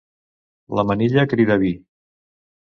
La manilla crida vi.